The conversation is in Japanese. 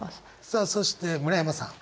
さあそして村山さん。